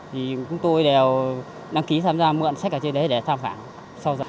thì chúng tôi đều đăng ký tham gia mượn sách ở trên đấy để tham khảo